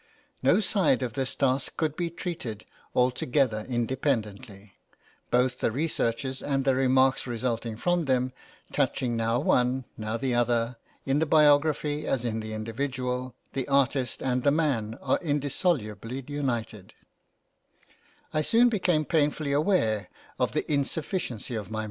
No side of this task could be treated altogether independently, both the researches and the remarks resulting from them, touching now one, now the other; in the biography as in the individual, the artist and the man are indissolubly united I soon became painfully aware of the insufficiency of my {LIFE OF MOZART.